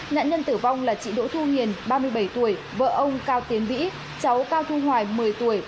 nạn nhân tử vong là chị đỗ thu nghiền ba mươi bảy tuổi vợ ông cao tiến vĩ cháu cao thu hoài một mươi tuổi